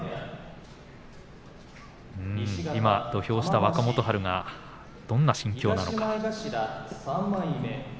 今、土俵下で若元春がどんな心境なのか。